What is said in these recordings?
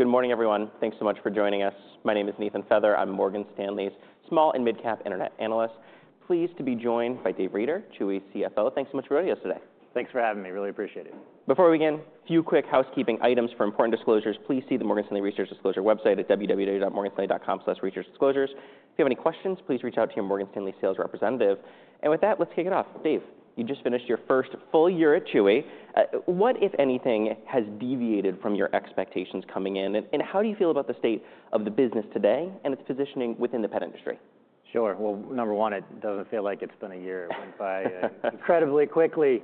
Good morning, everyone. Thanks so much for joining us. My name is Nathan Feather. I'm Morgan Stanley's small and mid-cap internet analyst. Pleased to be joined by David Reeder, Chewy CFO. Thanks so much for joining us today. Thanks for having me. Really appreciate it. Before we begin, a few quick housekeeping items for important disclosures. Please see the Morgan Stanley Research Disclosure website at www.morganstanley.com/researchdisclosures. If you have any questions, please reach out to your Morgan Stanley sales representative. And with that, let's kick it off. Dave, you just finished your first full year at Chewy. What, if anything, has deviated from your expectations coming in? And how do you feel about the state of the business today and its positioning within the pet industry? Sure. Number one, it doesn't feel like it's been a year. It went by incredibly quickly.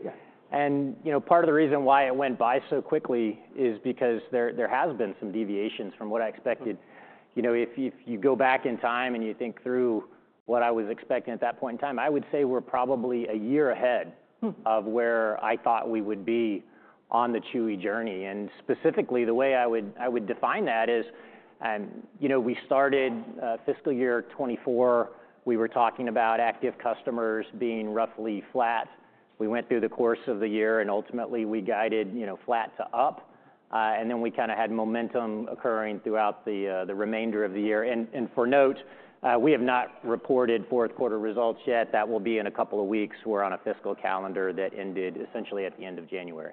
Part of the reason why it went by so quickly is because there have been some deviations from what I expected. If you go back in time and you think through what I was expecting at that point in time, I would say we're probably a year ahead of where I thought we would be on the Chewy journey. Specifically, the way I would define that is we started fiscal year 2024. We were talking about active customers being roughly flat. We went through the course of the year, and ultimately, we guided flat to up. Then we kind of had momentum occurring throughout the remainder of the year. For note, we have not reported Q4 results yet. That will be in a couple of weeks. We're on a fiscal calendar that ended essentially at the end of January.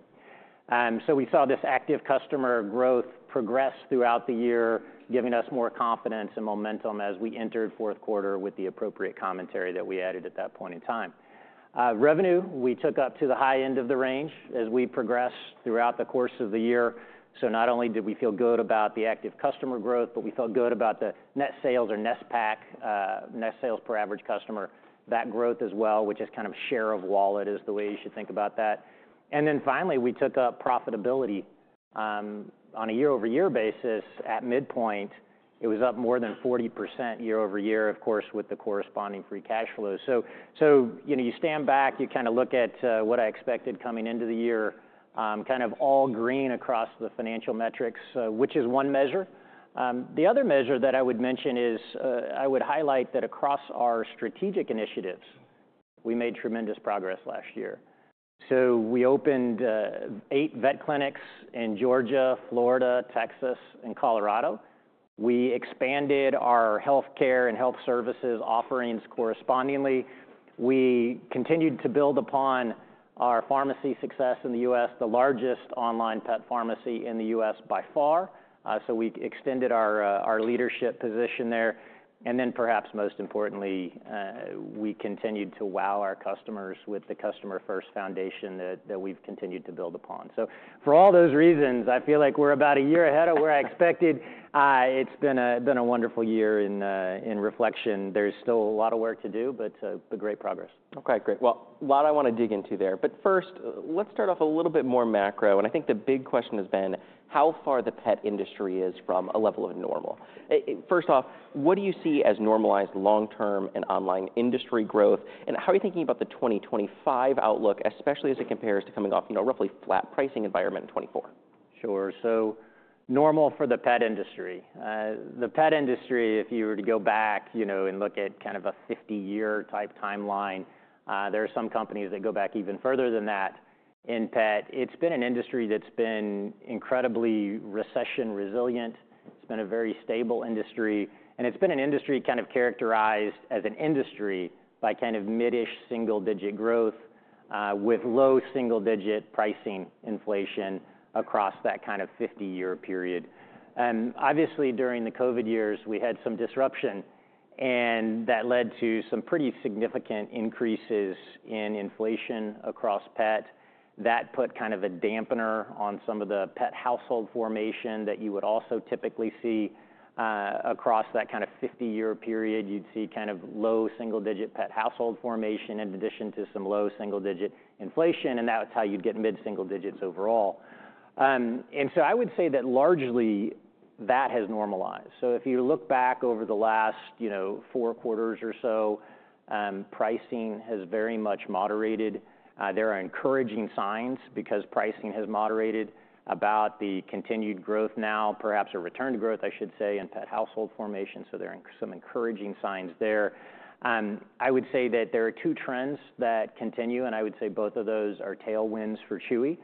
So we saw this active customer growth progress throughout the year, giving us more confidence and momentum as we entered Q4 with the appropriate commentary that we added at that point in time. Revenue, we took up to the high end of the range as we progressed throughout the course of the year. So not only did we feel good about the active customer growth, but we felt good about the net sales or net sales per average customer, that growth as well, which is kind of share of wallet is the way you should think about that. And then finally, we took up profitability on a year-over-year basis. At midpoint, it was up more than 40% year-over-year, of course, with the corresponding free cash flow. So you stand back, you kind of look at what I expected coming into the year, kind of all green across the financial metrics, which is one measure. The other measure that I would mention is I would highlight that across our strategic initiatives, we made tremendous progress last year. So we opened eight vet clinics in Georgia, Florida, Texas, and Colorado. We expanded our health care and health services offerings correspondingly. We continued to build upon our pharmacy success in the U.S., the largest online pet pharmacy in the U.S. by far. So we extended our leadership position there. And then perhaps most importantly, we continued to wow our customers with the customer-first foundation that we've continued to build upon. So for all those reasons, I feel like we're about a year ahead of where I expected. It's been a wonderful year in reflection. There's still a lot of work to do, but great progress. OK, great. Well, a lot I want to dig into there. But first, let's start off a little bit more macro. And I think the big question has been how far the pet industry is from a level of normal. First off, what do you see as normalized long-term and online industry growth? And how are you thinking about the 2025 outlook, especially as it compares to coming off a roughly flat pricing environment in 2024? Sure, so normal for the pet industry. The pet industry, if you were to go back and look at kind of a 50-year type timeline, there are some companies that go back even further than that in pet. It's been an industry that's been incredibly recession resilient. It's been a very stable industry, and it's been an industry kind of characterized as an industry by kind of mid-ish single-digit growth with low single-digit pricing inflation across that kind of 50-year period. Obviously, during the COVID years, we had some disruption, and that led to some pretty significant increases in inflation across pet. That put kind of a dampener on some of the pet household formation that you would also typically see across that kind of 50-year period. You'd see kind of low single-digit pet household formation in addition to some low single-digit inflation. And that's how you'd get mid-single digits overall. And so I would say that largely that has normalized. So if you look back over the last four quarters or so, pricing has very much moderated. There are encouraging signs because pricing has moderated about the continued growth now, perhaps a return to growth, I should say, in pet household formation. So there are some encouraging signs there. I would say that there are two trends that continue. And I would say both of those are tailwinds for Chewy.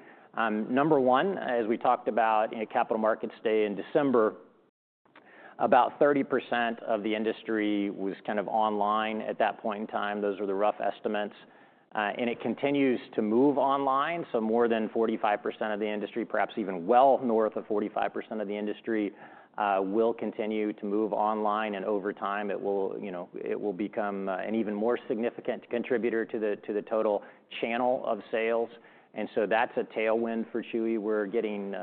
Number one, as we talked about, Capital Markets Day in December. About 30% of the industry was kind of online at that point in time. Those were the rough estimates. And it continues to move online. So more than 45% of the industry, perhaps even well north of 45% of the industry, will continue to move online. And over time, it will become an even more significant contributor to the total channel of sales. And so that's a tailwind for Chewy. We're getting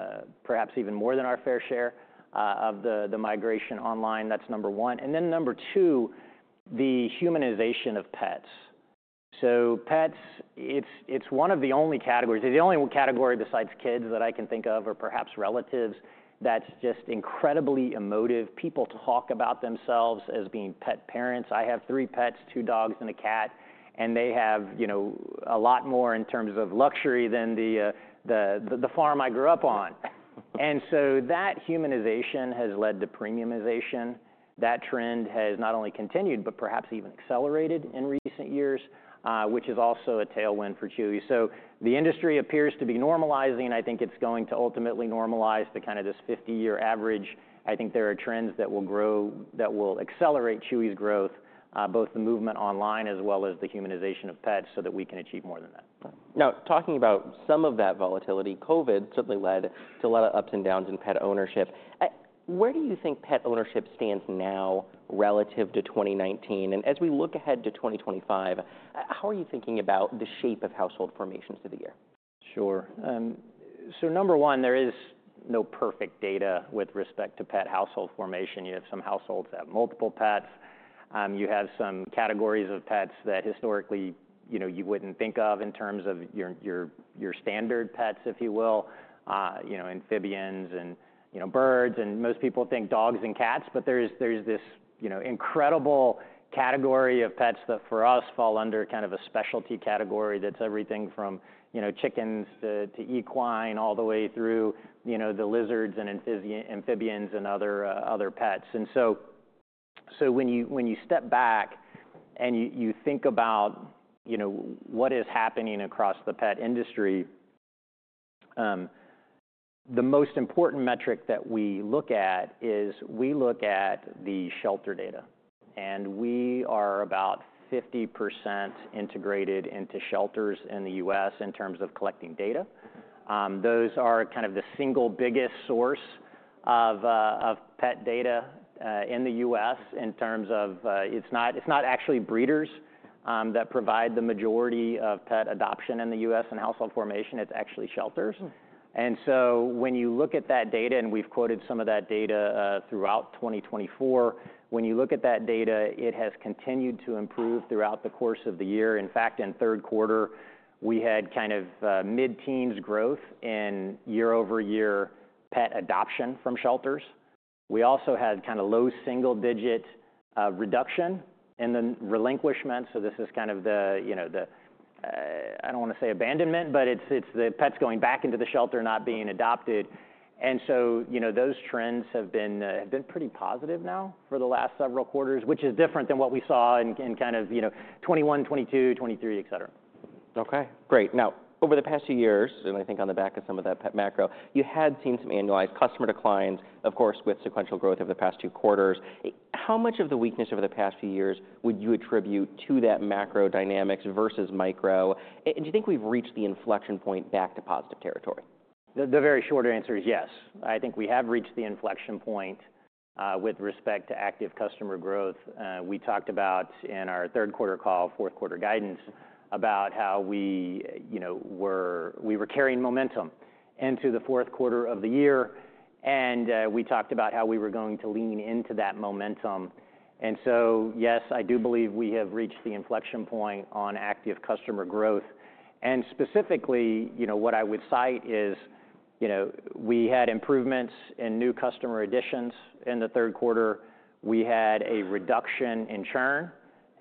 perhaps even more than our fair share of the migration online. That's number one. And then number two, the humanization of pets. So pets, it's one of the only categories. The only category besides kids that I can think of are perhaps relatives. That's just incredibly emotive. People talk about themselves as being pet parents. I have three pets, two dogs, and a cat. And they have a lot more in terms of luxury than the farm I grew up on. And so that humanization has led to premiumization. That trend has not only continued, but perhaps even accelerated in recent years, which is also a tailwind for Chewy. So the industry appears to be normalizing. I think it's going to ultimately normalize to kind of this 50-year average. I think there are trends that will grow, that will accelerate Chewy's growth, both the movement online as well as the humanization of pets so that we can achieve more than that. Now, talking about some of that volatility, COVID certainly led to a lot of ups and downs in pet ownership. Where do you think pet ownership stands now relative to 2019? And as we look ahead to 2025, how are you thinking about the shape of household formations through the year? Sure. So number one, there is no perfect data with respect to pet household formation. You have some households that have multiple pets. You have some categories of pets that historically you wouldn't think of in terms of your standard pets, if you will, amphibians and birds. And most people think dogs and cats. But there's this incredible category of pets that for us fall under kind of a specialty category that's everything from chickens to equine all the way through the lizards and amphibians and other pets. And so when you step back and you think about what is happening across the pet industry, the most important metric that we look at is we look at the shelter data. And we are about 50% integrated into shelters in the U.S. in terms of collecting data. Those are kind of the single biggest source of pet data in the U.S. in terms of it's not actually breeders that provide the majority of pet adoption in the U.S. and household formation. It's actually shelters, and so when you look at that data, and we've quoted some of that data throughout 2024, when you look at that data, it has continued to improve throughout the course of the year. In fact, in Q3, we had kind of mid-teens growth in year-over-year pet adoption from shelters. We also had kind of low single-digit reduction in the relinquishment, so this is kind of the, I don't want to say abandonment, but it's the pets going back into the shelter, not being adopted. Those trends have been pretty positive now for the last several quarters, which is different than what we saw in kind of 2021, 2022, 2023, etc. OK, great. Now, over the past few years, and I think on the back of some of that pet macro, you had seen some annualized customer declines, of course, with sequential growth over the past two quarters. How much of the weakness over the past few years would you attribute to that macro dynamics versus micro? And do you think we've reached the inflection point back to positive territory? The very short answer is yes. I think we have reached the inflection point with respect to active customer growth. We talked about in our Q3 call, Q4 guidance, about how we were carrying momentum into the Q4 of the year, and we talked about how we were going to lean into that momentum. So yes, I do believe we have reached the inflection point on active customer growth. And specifically, what I would cite is we had improvements in new customer additions in the Q3. We had a reduction in churn.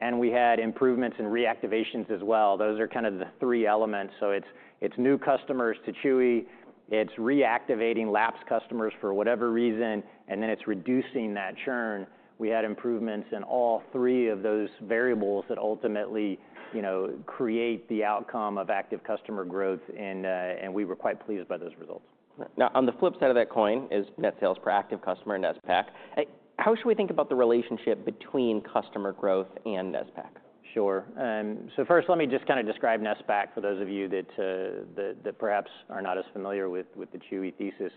And we had improvements in reactivations as well. Those are kind of the three elements. So it's new customers to Chewy. It's reactivating lapsed customers for whatever reason. And then it's reducing that churn. We had improvements in all three of those variables that ultimately create the outcome of active customer growth. We were quite pleased by those results. Now, on the flip side of that coin is net sales per active customer and NESPAC. How should we think about the relationship between customer growth and NESPAC? Sure. So first, let me just kind of describe NESPAC for those of you that perhaps are not as familiar with the Chewy thesis.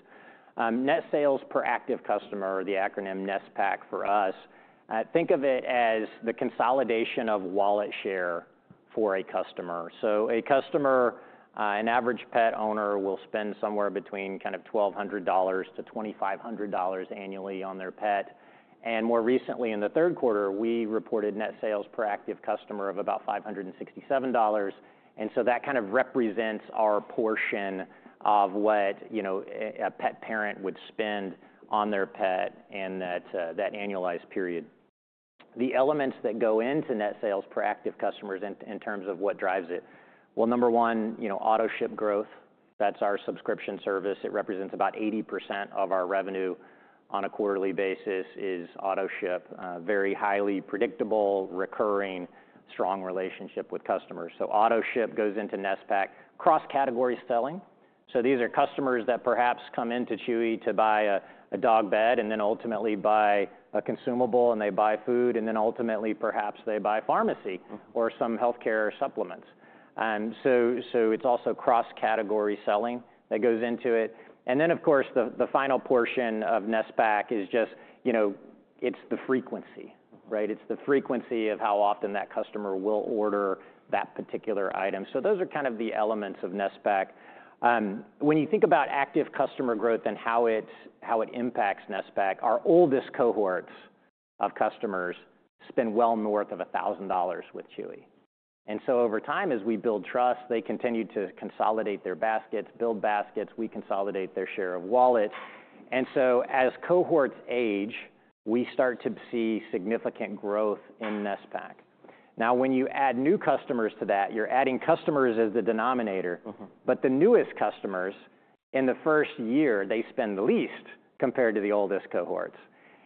Net sales per active customer, or the acronym NESPAC for us, think of it as the consolidation of wallet share for a customer. So a customer, an average pet owner, will spend somewhere between kind of $1,200 to $2,500 annually on their pet. And more recently, in the Q3, we reported net sales per active customer of about $567. And so that kind of represents our portion of what a pet parent would spend on their pet in that annualized period. The elements that go into net sales per active customers in terms of what drives it, well, number one, Autoship growth. That's our subscription service. It represents about 80% of our revenue on a quarterly basis. [It] is Autoship, very highly predictable, recurring, strong relationship with customers. Autoship goes into NESPAC cross-category selling. These are customers that perhaps come into Chewy to buy a dog bed and then ultimately buy a consumable, and they buy food, and then ultimately perhaps they buy pharmacy or some health care supplements. It is also cross-category selling that goes into it. Of course, the final portion of NESPAC is just it is the frequency. It is the frequency of how often that customer will order that particular item. Those are kind of the elements of NESPAC. When you think about active customer growth and how it impacts NESPAC, our oldest cohorts of customers spend well north of $1,000 with Chewy. And so over time, as we build trust, they continue to consolidate their baskets, build baskets. We consolidate their share of wallet. And so as cohorts age, we start to see significant growth in NESPAC. Now, when you add new customers to that, you're adding customers as the denominator. But the newest customers in the first year, they spend the least compared to the oldest cohorts.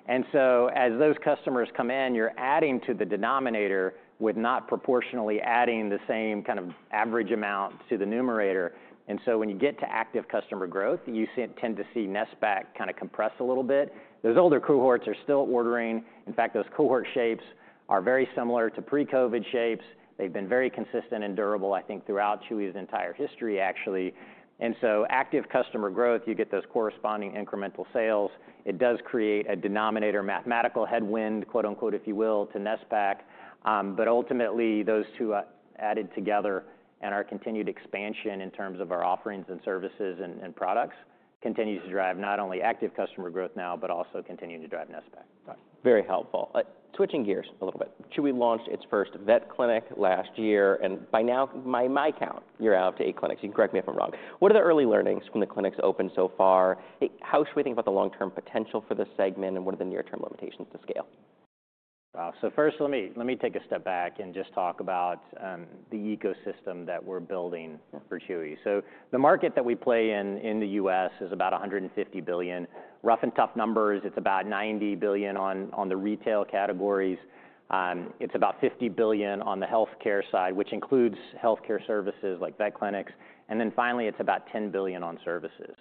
And so as those customers come in, you're adding to the denominator with not proportionally adding the same kind of average amount to the numerator. And so when you get to active customer growth, you tend to see NESPAC kind of compress a little bit. Those older cohorts are still ordering. In fact, those cohort shapes are very similar to pre-COVID shapes. They've been very consistent and durable, I think, throughout Chewy's entire history, actually. And so active customer growth, you get those corresponding incremental sales. It does create a denominator mathematical headwind, quote unquote, if you will, to NESPAC. But ultimately, those two added together and our continued expansion in terms of our offerings and services and products continues to drive not only active customer growth now, but also continue to drive NESPAC. Very helpful. Switching gears a little bit. Chewy launched its first vet clinic last year, and by now, by my count, you're out to eight clinics. You can correct me if I'm wrong. What are the early learnings from the clinics open so far? How should we think about the long-term potential for this segment? And what are the near-term limitations to scale? So first, let me take a step back and just talk about the ecosystem that we're building for Chewy. So the market that we play in the U.S. is about $150 billion. Rough and tough numbers, it's about $90 billion on the retail categories. It's about $50 billion on the health care side, which includes health care services like vet clinics. And then finally, it's about $10 billion on services.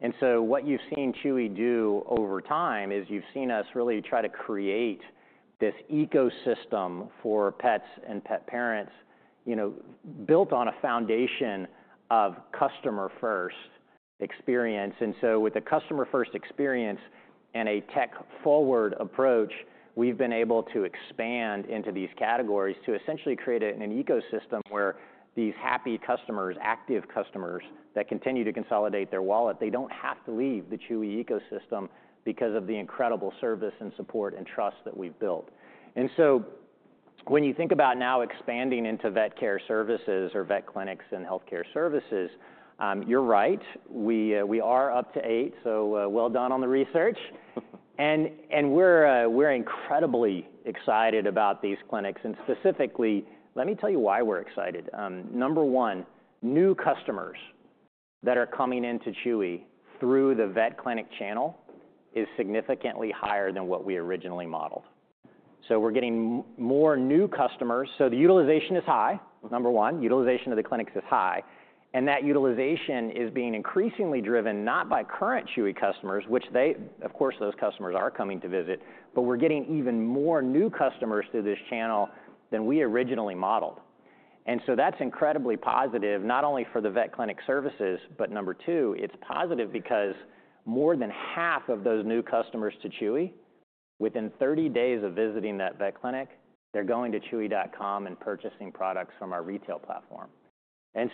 And so what you've seen Chewy do over time is you've seen us really try to create this ecosystem for pets and pet parents built on a foundation of customer-first experience. With the customer-first experience and a tech-forward approach, we've been able to expand into these categories to essentially create an ecosystem where these happy customers, active customers that continue to consolidate their wallet, they don't have to leave the Chewy ecosystem because of the incredible service and support and trust that we've built. When you think about now expanding into vet care services or vet clinics and health care services, you're right. We are up to eight. Well done on the research. We're incredibly excited about these clinics. Specifically, let me tell you why we're excited. Number one, new customers that are coming into Chewy through the vet clinic channel is significantly higher than what we originally modeled. We're getting more new customers. The utilization is high, number one. Utilization of the clinics is high. That utilization is being increasingly driven not by current Chewy customers, which they, of course, those customers are coming to visit, but we're getting even more new customers through this channel than we originally modeled. So that's incredibly positive, not only for the vet clinic services, but number two, it's positive because more than half of those new customers to Chewy, within 30 days of visiting that vet clinic, they're going to chewy.com and purchasing products from our retail platform.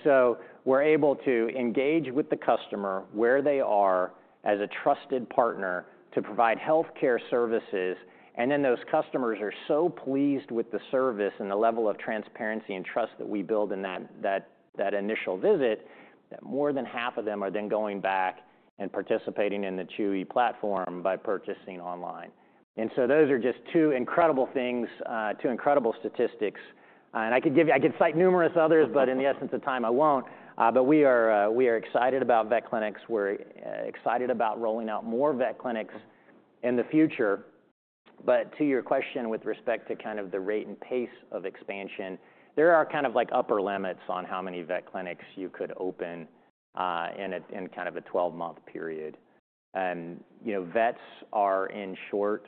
So we're able to engage with the customer where they are as a trusted partner to provide health care services. Then those customers are so pleased with the service and the level of transparency and trust that we build in that initial visit that more than half of them are then going back and participating in the Chewy platform by purchasing online. And so those are just two incredible things, two incredible statistics. And I could cite numerous others, but in the essence of time, I won't. But we are excited about vet clinics. We're excited about rolling out more vet clinics in the future. But to your question with respect to kind of the rate and pace of expansion, there are kind of like upper limits on how many vet clinics you could open in kind of a 12-month period. And vets are in short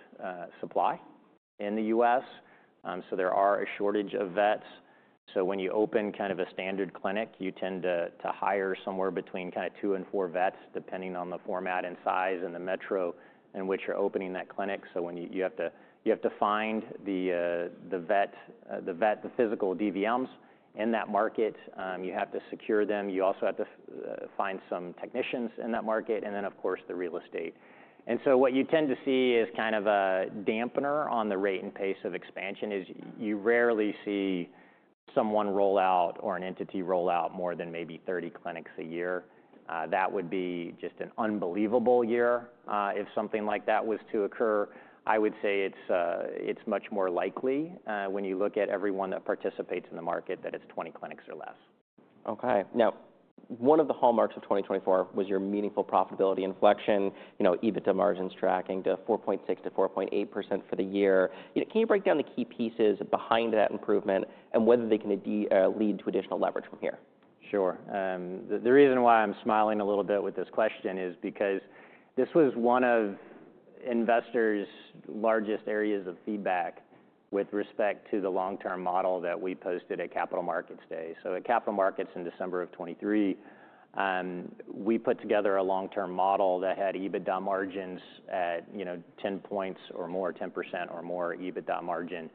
supply in the U.S. So there are a shortage of vets. So when you open kind of a standard clinic, you tend to hire somewhere between kind of two and four vets, depending on the format and size and the metro in which you're opening that clinic. So you have to find the vet, the physical DVMs in that market. You have to secure them. You also have to find some technicians in that market, and then, of course, the real estate. So what you tend to see is kind of a dampener on the rate and pace of expansion, is you rarely see someone roll out or an entity roll out more than maybe 30 clinics a year. That would be just an unbelievable year if something like that was to occur. I would say it's much more likely when you look at everyone that participates in the market that it's 20 clinics or less. OK. Now, one of the hallmarks of 2024 was your meaningful profitability inflection, EBITDA margins tracking to 4.6%-4.8% for the year. Can you break down the key pieces behind that improvement and whether they can lead to additional leverage from here? Sure. The reason why I'm smiling a little bit with this question is because this was one of investors' largest areas of feedback with respect to the long-term model that we posted at Capital Markets Day. So at Capital Markets in December of 2023, we put together a long-term model that had EBITDA margins at 10 points or more, 10% or more EBITDA margin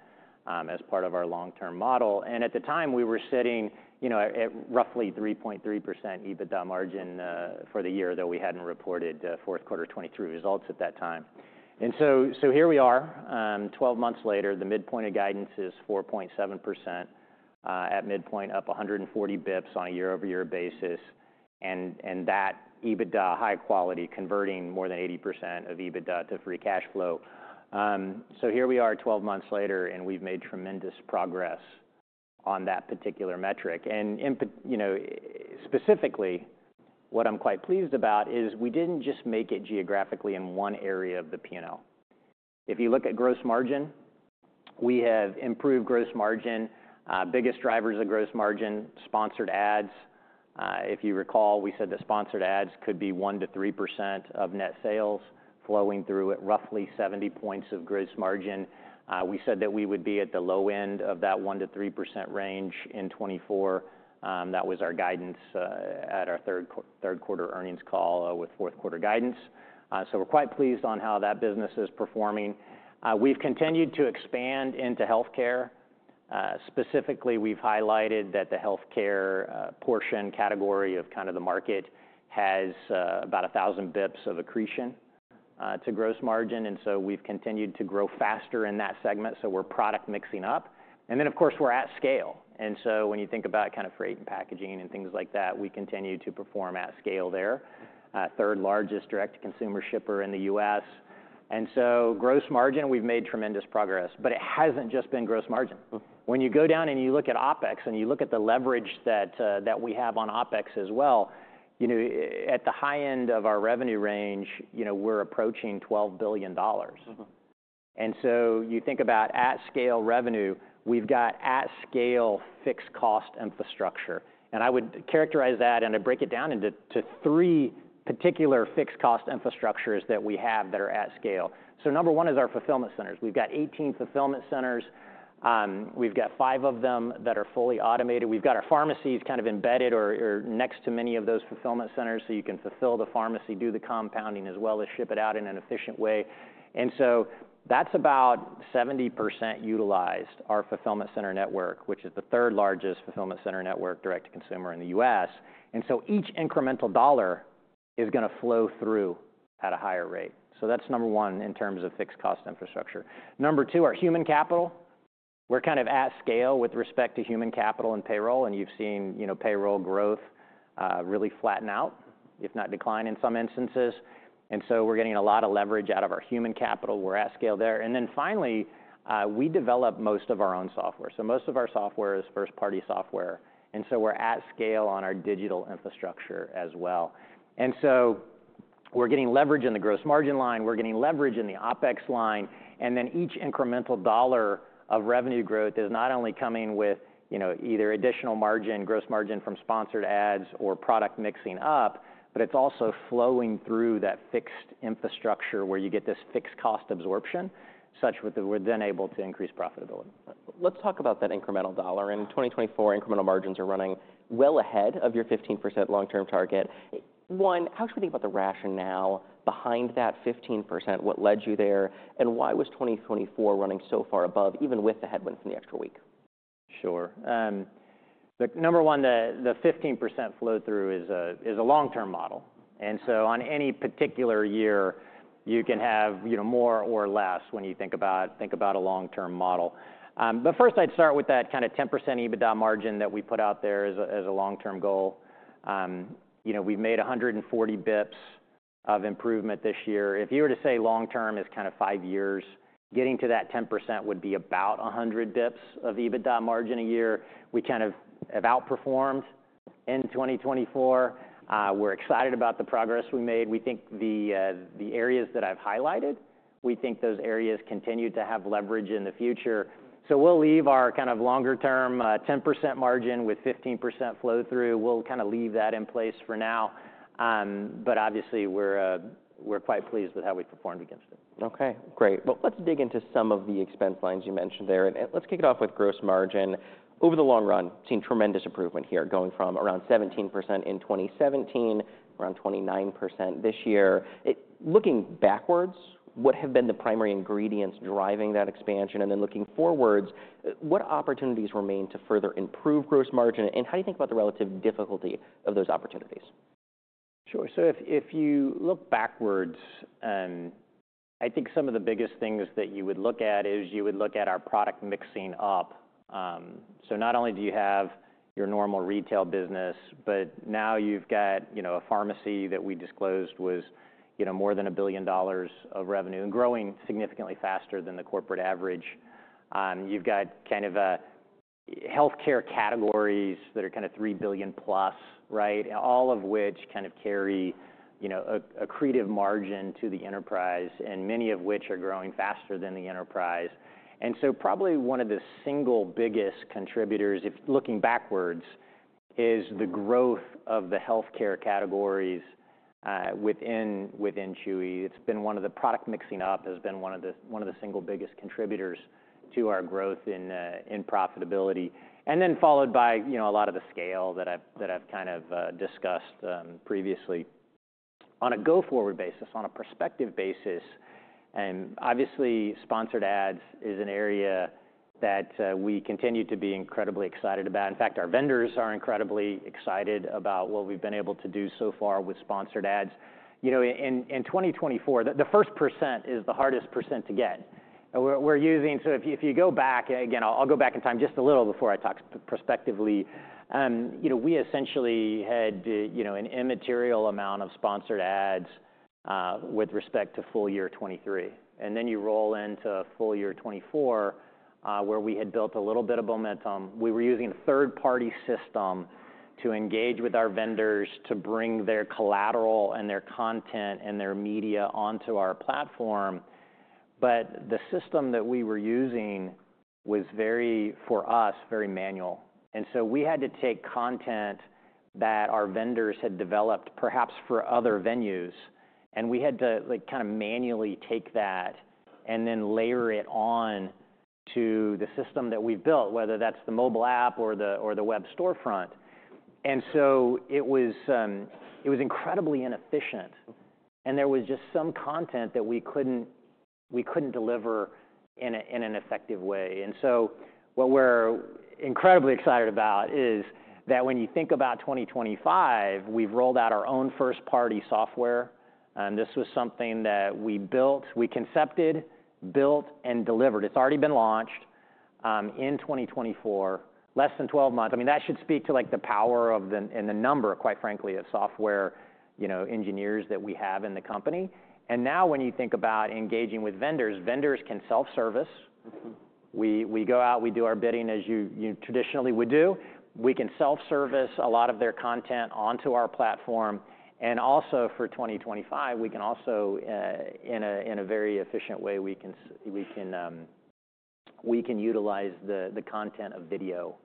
as part of our long-term model. And at the time, we were sitting at roughly 3.3% EBITDA margin for the year, though we hadn't reported Q4 2023 results at that time. And so here we are, 12 months later, the midpoint of guidance is 4.7% at midpoint, up 140 basis points on a year-over-year basis. And that EBITDA high quality, converting more than 80% of EBITDA to free cash flow. So here we are, 12 months later, and we've made tremendous progress on that particular metric. Specifically, what I'm quite pleased about is we didn't just make it geographically in one area of the P&L. If you look at gross margin, we have improved gross margin, biggest drivers of gross margin, sponsored ads. If you recall, we said the sponsored ads could be 1%-3% of net sales, flowing through at roughly 70 basis points of gross margin. We said that we would be at the low end of that 1%-3% range in 2024. That was our guidance at our Q3 earnings call with Q4 guidance. We're quite pleased on how that business is performing. We've continued to expand into health care. Specifically, we've highlighted that the health care portion category of kind of the market has about 1,000 basis points of accretion to gross margin. We've continued to grow faster in that segment. We're product mixing up. Then, of course, we're at scale. So when you think about kind of freight and packaging and things like that, we continue to perform at scale there, third largest direct-to-consumer shipper in the U.S. So gross margin, we've made tremendous progress. But it hasn't just been gross margin. When you go down and you look at OPEX and you look at the leverage that we have on OPEX as well, at the high end of our revenue range, we're approaching $12 billion. So you think about at-scale revenue, we've got at-scale fixed cost infrastructure. And I would characterize that and I'd break it down into three particular fixed cost infrastructures that we have that are at scale. Number one is our fulfillment centers. We've got 18 fulfillment centers. We've got five of them that are fully automated. We've got our pharmacies kind of embedded or next to many of those fulfillment centers so you can fulfill the pharmacy, do the compounding, as well as ship it out in an efficient way, and so that's about 70% utilized, our fulfillment center network, which is the third largest fulfillment center network direct-to-consumer in the U.S., and so each incremental dollar is going to flow through at a higher rate, so that's number one in terms of fixed cost infrastructure. Number two, our human capital. We're kind of at scale with respect to human capital and payroll, and you've seen payroll growth really flatten out, if not decline in some instances, and so we're getting a lot of leverage out of our human capital. We're at scale there, and then finally, we develop most of our own software, so most of our software is first-party software. And so we're at scale on our digital infrastructure as well. And so we're getting leverage in the gross margin line. We're getting leverage in the OPEX line. And then each incremental dollar of revenue growth is not only coming with either additional margin, gross margin from sponsored ads or product mixing up, but it's also flowing through that fixed infrastructure where you get this fixed cost absorption, such that we're then able to increase profitability. Let's talk about that incremental dollar. In 2024, incremental margins are running well ahead of your 15% long-term target. One, how should we think about the rationale behind that 15%? What led you there, and why was 2024 running so far above, even with the headwind from the extra week? Sure. Number one, the 15% flow-through is a long-term model. And so on any particular year, you can have more or less when you think about a long-term model. But first, I'd start with that kind of 10% EBITDA margin that we put out there as a long-term goal. We've made 140 basis points of improvement this year. If you were to say long-term is kind of five years, getting to that 10% would be about 100 basis points of EBITDA margin a year. We kind of have outperformed in 2024. We're excited about the progress we made. We think the areas that I've highlighted, we think those areas continue to have leverage in the future. So we'll leave our kind of longer-term 10% margin with 15% flow-through. We'll kind of leave that in place for now. But obviously, we're quite pleased with how we performed against it. OK, great. But let's dig into some of the expense lines you mentioned there. And let's kick it off with gross margin. Over the long run, seen tremendous improvement here, going from around 17% in 2017, around 29% this year. Looking backwards, what have been the primary ingredients driving that expansion? And then looking forwards, what opportunities remain to further improve gross margin? And how do you think about the relative difficulty of those opportunities? Sure. If you look backwards, I think some of the biggest things that you would look at is you would look at our product mixing up. Not only do you have your normal retail business, but now you've got a pharmacy that we disclosed was more than $1 billion of revenue and growing significantly faster than the corporate average. You've got kind of health care categories that are kind of $3 billion+, right, all of which kind of carry accretive margin to the enterprise, and many of which are growing faster than the enterprise. Probably one of the single biggest contributors, if looking backwards, is the growth of the health care categories within Chewy. It's been one of the product mixing up has been one of the single biggest contributors to our growth in profitability, and then followed by a lot of the scale that I've kind of discussed previously. On a go-forward basis, on a prospective basis, and obviously, sponsored ads is an area that we continue to be incredibly excited about. In fact, our vendors are incredibly excited about what we've been able to do so far with sponsored ads. In 2024, the first percent is the hardest percent to get. So if you go back, and again, I'll go back in time just a little before I talk prospectively, we essentially had an immaterial amount of sponsored ads with respect to full year 2023. And then you roll into full year 2024, where we had built a little bit of momentum. We were using a third-party system to engage with our vendors to bring their collateral and their content and their media onto our platform, but the system that we were using was, for us, very manual, and so we had to take content that our vendors had developed, perhaps for other venues, and we had to kind of manually take that and then layer it on to the system that we've built, whether that's the mobile app or the web storefront, and so it was incredibly inefficient, and there was just some content that we couldn't deliver in an effective way. And so what we're incredibly excited about is that when you think about 2025, we've rolled out our own first-party software, and this was something that we built, we concepted, built, and delivered. It's already been launched in 2024, less than 12 months. I mean, that should speak to the power and the number, quite frankly, of software engineers that we have in the company. And now when you think about engaging with vendors, vendors can self-service. We go out, we do our bidding as you traditionally would do. We can self-service a lot of their content onto our platform. And also for 2025, we can also, in a very efficient way, we can utilize the content of video,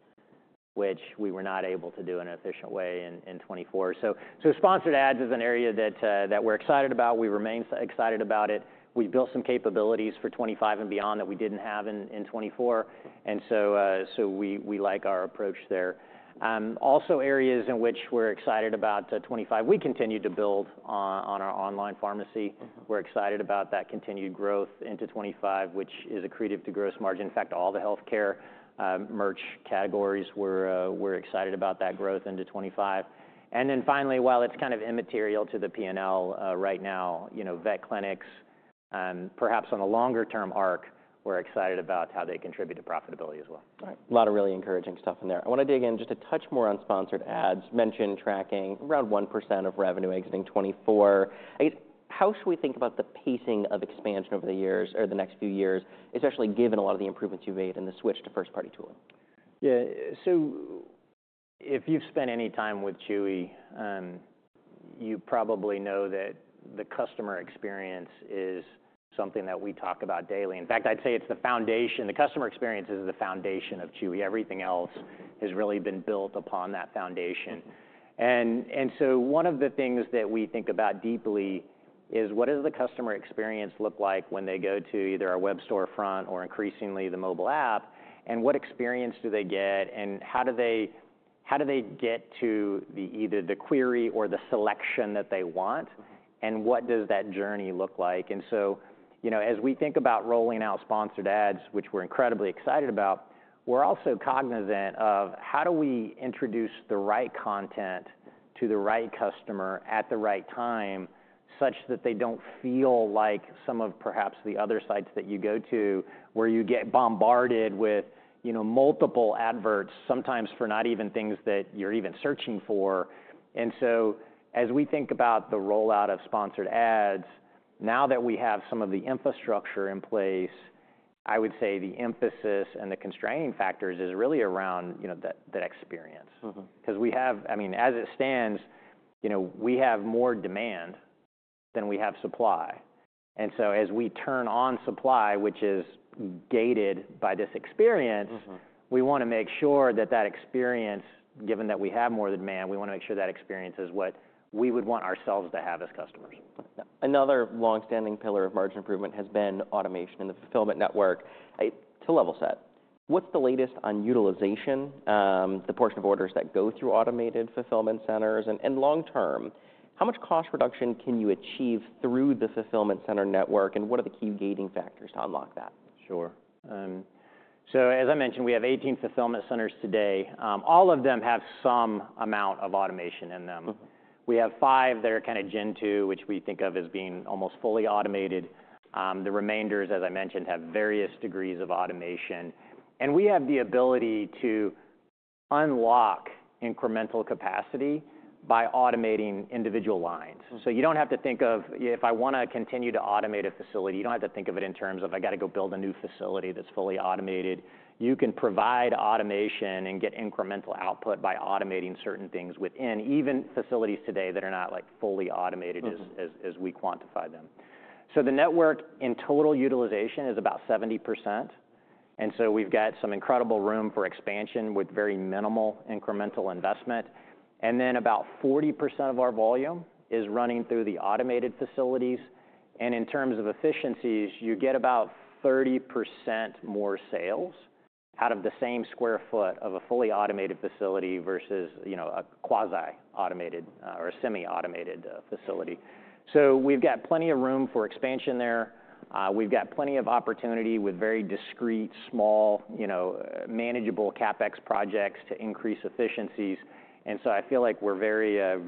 which we were not able to do in an efficient way in 2024. So sponsored ads is an area that we're excited about. We remain excited about it. We've built some capabilities for 2025 and beyond that we didn't have in 2024. And so we like our approach there. Also, areas in which we're excited about 2025, we continue to build on our online pharmacy. We're excited about that continued growth into 2025, which is accretive to gross margin. In fact, all the health care merch categories, we're excited about that growth into 2025. And then finally, while it's kind of immaterial to the P&L right now, vet clinics, perhaps on a longer-term arc, we're excited about how they contribute to profitability as well. Right. A lot of really encouraging stuff in there. I want to dig in just a touch more on sponsored ads. Mentioned tracking around 1% of revenue exiting 2024. How should we think about the pacing of expansion over the years or the next few years, especially given a lot of the improvements you've made in the switch to first-party tooling? Yeah. So if you've spent any time with Chewy, you probably know that the customer experience is something that we talk about daily. In fact, I'd say it's the foundation. The customer experience is the foundation of Chewy. Everything else has really been built upon that foundation. And so one of the things that we think about deeply is what does the customer experience look like when they go to either our web storefront or increasingly the mobile app? And what experience do they get? And how do they get to either the query or the selection that they want? And what does that journey look like? And so as we think about rolling out sponsored ads, which we're incredibly excited about, we're also cognizant of how do we introduce the right content to the right customer at the right time, such that they don't feel like some of perhaps the other sites that you go to, where you get bombarded with multiple adverts, sometimes for not even things that you're even searching for. And so as we think about the rollout of sponsored ads, now that we have some of the infrastructure in place, I would say the emphasis and the constraining factors is really around that experience. Because we have, I mean, as it stands, we have more demand than we have supply. As we turn on supply, which is gated by this experience, we want to make sure that that experience, given that we have more than demand, we want to make sure that experience is what we would want ourselves to have as customers. Another longstanding pillar of margin improvement has been automation in the fulfillment network to level set. What's the latest on utilization, the portion of orders that go through automated fulfillment centers? And long-term, how much cost reduction can you achieve through the fulfillment center network? And what are the key gating factors to unlock that? Sure. So as I mentioned, we have 18 fulfillment centers today. All of them have some amount of automation in them. We have five that are kind of Gen 2, which we think of as being almost fully automated. The remainders, as I mentioned, have various degrees of automation. And we have the ability to unlock incremental capacity by automating individual lines. So you don't have to think of, if I want to continue to automate a facility, you don't have to think of it in terms of I got to go build a new facility that's fully automated. You can provide automation and get incremental output by automating certain things within, even facilities today that are not fully automated as we quantify them. So the network in total utilization is about 70%. And so we've got some incredible room for expansion with very minimal incremental investment. Then about 40% of our volume is running through the automated facilities. In terms of efficiencies, you get about 30% more sales out of the same square feet for expansion there. We’ve got plenty of opportunity with very discreet, small, manageable CapEx projects to increase efficiencies. So I feel like we’re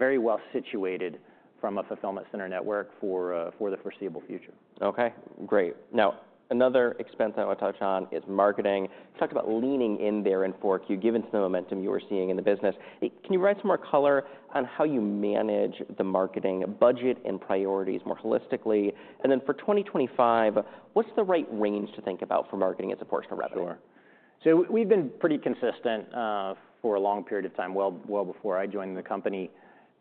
very well situated from a fulfillment center network for the foreseeable future. OK, great. Now, another expense I want to touch on is marketing. You talked about leaning in there in Q4, given some of the momentum you were seeing in the business. Can you provide some more color on how you manage the marketing budget and priorities more holistically? And then for 2025, what's the right range to think about for marketing as a portion of revenue? Sure. So we've been pretty consistent for a long period of time, well before I joined the company,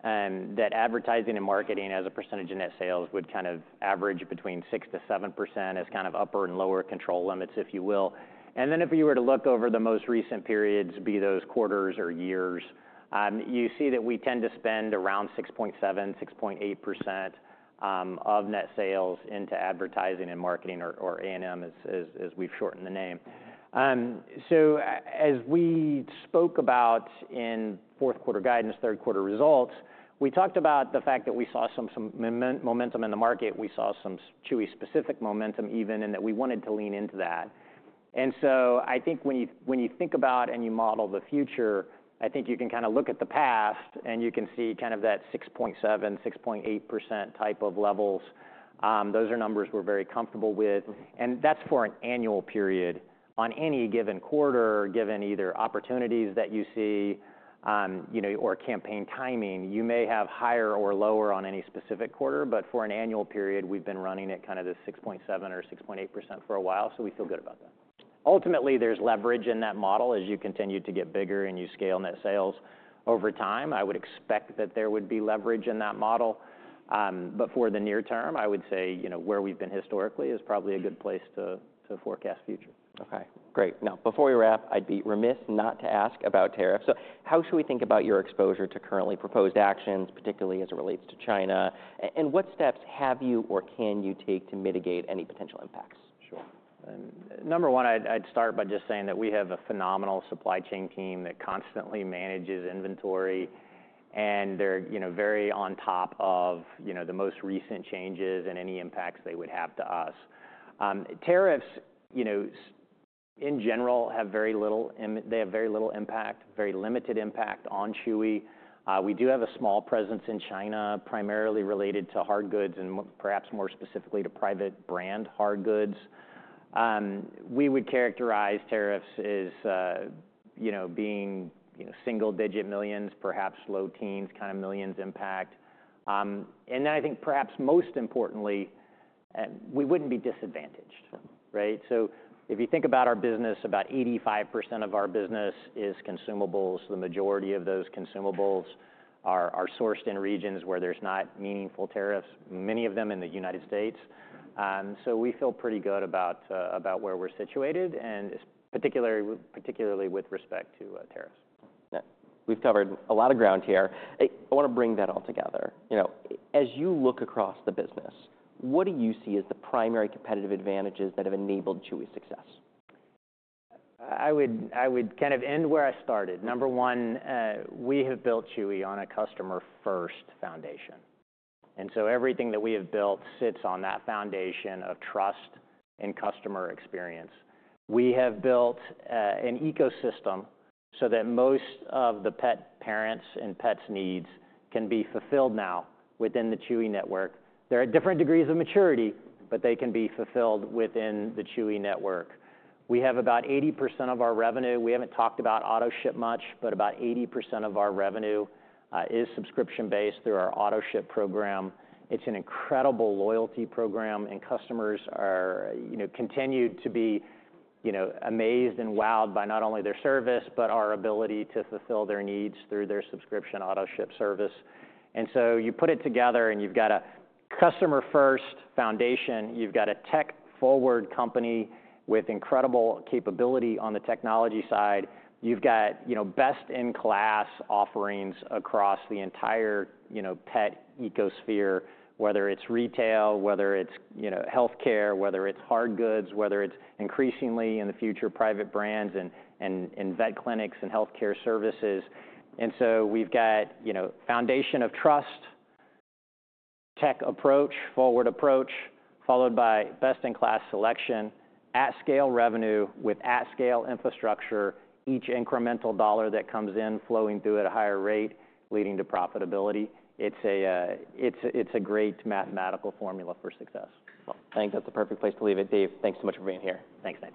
that advertising and marketing as a percentage of net sales would kind of average between 6%-7% as kind of upper and lower control limits, if you will, and then if you were to look over the most recent periods, be those quarters or years, you see that we tend to spend around 6.7%, 6.8% of net sales into advertising and marketing or A&M, as we've shortened the name, so as we spoke about in Q4 guidance, Q3 results, we talked about the fact that we saw some momentum in the market. We saw some Chewy-specific momentum even, and that we wanted to lean into that. I think when you think about and you model the future, I think you can kind of look at the past, and you can see kind of that 6.7%, 6.8% type of levels. Those are numbers we're very comfortable with. That's for an annual period. On any given quarter, given either opportunities that you see or campaign timing, you may have higher or lower on any specific quarter. For an annual period, we've been running at kind of this 6.7% or 6.8% for a while. We feel good about that. Ultimately, there's leverage in that model as you continue to get bigger and you scale net sales over time. I would expect that there would be leverage in that model. For the near term, I would say where we've been historically is probably a good place to forecast future. OK, great. Now, before we wrap, I'd be remiss not to ask about tariffs. So how should we think about your exposure to currently proposed actions, particularly as it relates to China? And what steps have you or can you take to mitigate any potential impacts? Sure. Number one, I'd start by just saying that we have a phenomenal supply chain team that constantly manages inventory, and they're very on top of the most recent changes and any impacts they would have to us. Tariffs, in general, have very little impact, very limited impact on Chewy. We do have a small presence in China, primarily related to hard goods and perhaps more specifically to private brand hard goods. We would characterize tariffs as being single-digit millions, perhaps low teens, kind of millions impact, and then I think perhaps most importantly, we wouldn't be disadvantaged, right, so if you think about our business, about 85% of our business is consumables. The majority of those consumables are sourced in regions where there's not meaningful tariffs, many of them in the United States, so we feel pretty good about where we're situated, and particularly with respect to tariffs. We've covered a lot of ground here. I want to bring that all together. As you look across the business, what do you see as the primary competitive advantages that have enabled Chewy's success? I would kind of end where I started. Number one, we have built Chewy on a customer-first foundation, and so everything that we have built sits on that foundation of trust and customer experience. We have built an ecosystem so that most of the pet parents and pets' needs can be fulfilled now within the Chewy network. There are different degrees of maturity, but they can be fulfilled within the Chewy network. We have about 80% of our revenue. We haven't talked about Autoship much, but about 80% of our revenue is subscription-based through our Autoship program. It's an incredible loyalty program, and customers continue to be amazed and wowed by not only their service, but our ability to fulfill their needs through their subscription Autoship service, and so you put it together, and you've got a customer-first foundation. You've got a tech-forward company with incredible capability on the technology side. You've got best-in-class offerings across the entire pet ecosphere, whether it's retail, whether it's health care, whether it's hard goods, whether it's increasingly in the future private brands and vet clinics and health care services. And so we've got foundation of trust, tech approach, forward approach, followed by best-in-class selection, at-scale revenue with at-scale infrastructure. Each incremental dollar that comes in flowing through at a higher rate leading to profitability. It's a great mathematical formula for success. I think that's a perfect place to leave it, Dave. Thanks so much for being here. Thanks, Dave.